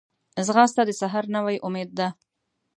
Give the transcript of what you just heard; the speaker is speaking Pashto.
ځغاسته د سحر نوی امید ده